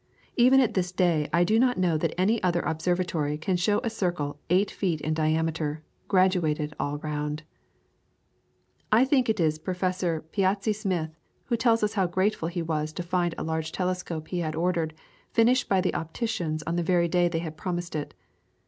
Even at this day I do not know that any other observatory can show a circle eight feet in diameter graduated all round. I think it is Professor Piazzi Smith who tells us how grateful he was to find a large telescope he had ordered finished by the opticians on the very day they had promised it.